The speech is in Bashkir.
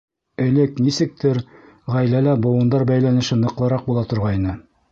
Элек, нисектер, ғаиләлә быуындар бәйләнеше ныҡлыраҡ була торғайны.